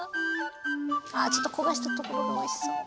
ああちょっと焦がしたところがおいしそう！